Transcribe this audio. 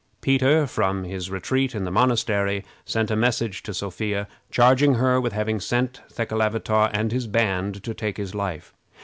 Peter, from his retreat in the monastery, sent a message to Sophia, charging her with having sent Thekelavitaw and his band to take his life.